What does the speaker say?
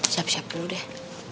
siap siap dulu deh